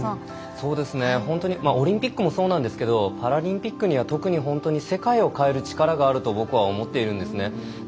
そうですねオリンピックもそうですがパラリンピックには特に本当に世界を変える力があると僕は思っています。